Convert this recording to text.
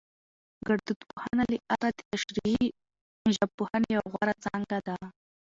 ګړدود پوهنه له اره دتشريحي ژبپوهنې يوه غوره څانګه ده